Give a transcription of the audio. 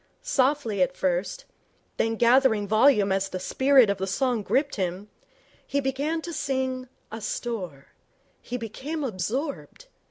Softly at first, then gathering volume as the spirit of the song gripped him, he began to sing 'Asthore'. He became absorbed.